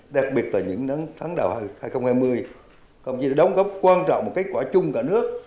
đặc biệt vào những tháng đầu hai nghìn hai mươi không chỉ đã đóng góp quan trọng một kết quả chung cả nước